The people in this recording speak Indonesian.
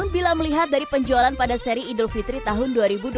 namun bila melihat dari penjualan pada seri idofitri tahun dua ribu dua puluh dua